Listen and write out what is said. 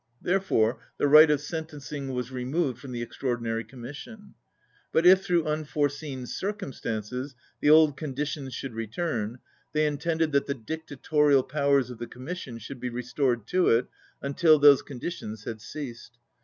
Therefore the right of sentencing was re moved from the Extraordinary Commission; but if, through unforeseen circumstances, the old con ditions should return, they intended that the dic tatorial powers of the Commission should be re stored to it until those conditions had ceased.